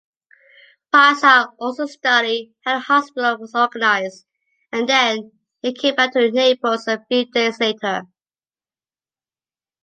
Piazza also studied how the hospital was organized, and then, he came back to Naples a few days later.